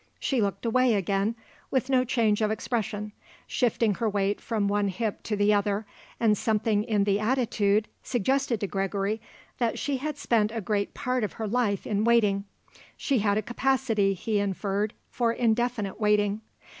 She looked away again with no change of expression, shifting her weight from one hip to the other, and something in the attitude suggested to Gregory that she had spent a great part of her life in waiting. She had a capacity, he inferred, for indefinite waiting.